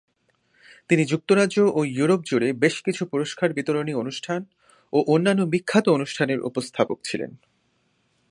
তিনি যুক্তরাজ্য ও ইউরোপ জুড়ে বেশ কিছু পুরস্কার বিতরণী অনুষ্ঠান ও অন্যান্য বিখ্যাত অনুষ্ঠানের উপস্থাপক ছিলেন।